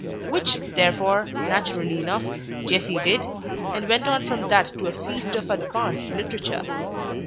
Which, therefore, naturally enough, Jessie did, and went on from that to a feast of advanced literature.